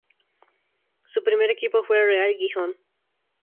Su primer equipo fue el Real Gijón.